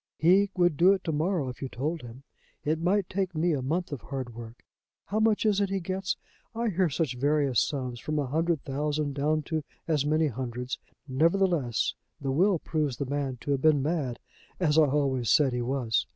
He would do it to morrow if you told him. It might take me a month of hard work. How much is it he gets? I hear such various sums, from a hundred thousand down to as many hundreds. Nevertheless, the will proves the man to have been mad, as I always said he was.